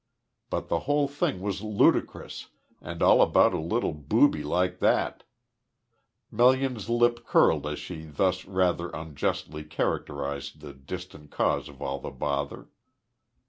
But the whole thing was ludicrous, and all about a little booby like that Melian's lip curled as she thus rather unjustly characterised the distant cause of all the bother.